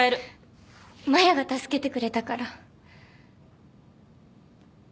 真矢が助けてくれたから。